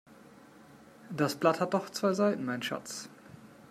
Das Blatt hat doch zwei Seiten mein Schatz.